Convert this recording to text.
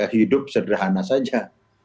hidup sederhana saja